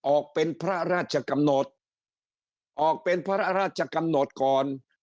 ออกเป็นพระราชกำหนดออกเป็นพระราชกำหนดก่อน